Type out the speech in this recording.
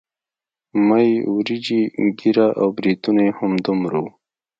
مۍ وريجې ږيره او برېتونه يې همدومره وو.